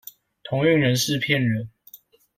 同運人士騙人